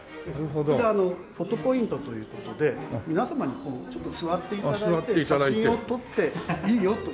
こちらフォトポイントという事で皆様にちょっと座って頂いて写真を撮っていいよという。